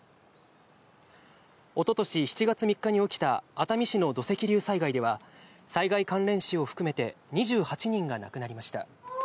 おととし７月３日に起きた熱海市の土石流災害では、災害関連死を含めて２８人が亡くなりました。